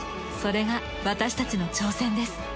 それが私たちの挑戦です。